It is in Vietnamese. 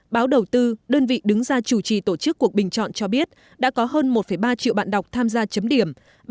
báo đầu tư đơn vị đứng ra chủ trì tổ chức cuộc bình chọn cho biết đã có hơn một ba triệu bạn đọc tham gia chấm điểm